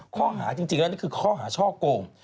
ข้อหาจริงแล้วนี่คือข้อหาช่อโกง